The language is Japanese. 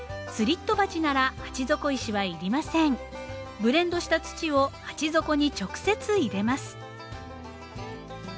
ブレンドした土を鉢底に直接入れます。